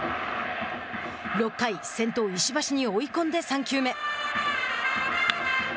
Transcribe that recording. ６回、先頭石橋を追い込んで３球目。